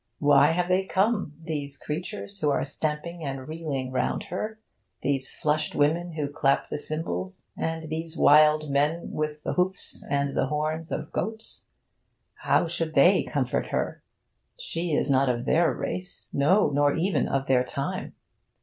Why have they come, these creatures who are stamping and reeling round her, these flushed women who clap the cymbals, and these wild men with the hoofs and the horns of goats? How should they comfort her? She is not of their race; no! nor even of their time.